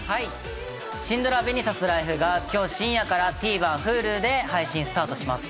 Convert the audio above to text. シンドラ『紅さすライフ』がきょう深夜からＴＶｅｒ、Ｈｕｌｕで配信スタートします。